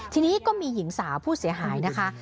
ทีนี้ก็มีหญิงสาวผู้เสียหายนะคะ